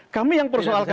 kami yang persoalkan